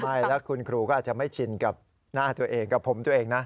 ใช่แล้วคุณครูก็อาจจะไม่ชินกับหน้าตัวเองกับผมตัวเองนะ